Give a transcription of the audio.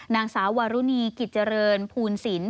นางสาววารุณีกิจเจริญภูลสิน